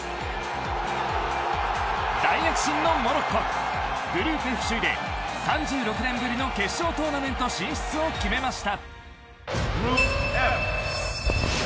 大躍進のモロッコグループＦ首位で３６年ぶりの決勝トーナメント進出を決めました。